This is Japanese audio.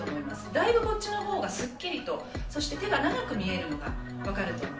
だいぶこっちのほうがスッキリとそして手が長く見えるのが分かると思います。